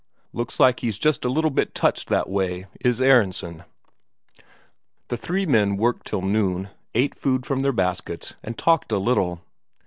ay, looks like he's just a little bit touched that way, is Aronsen." The three men worked till noon, ate food from their baskets, and talked a while.